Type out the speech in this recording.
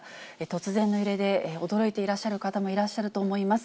突然の揺れで驚いていらっしゃる方もいらっしゃると思います。